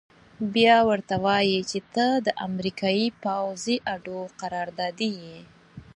بيا ورته وايي چې ته د امريکايي پوځي اډو قراردادي يې.